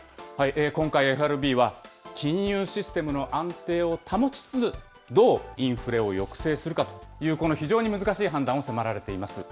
今回、ＦＲＢは、金融システムの安定を保ちつつ、どうインフレを抑制するかという、この非常に難しい判断を迫られています。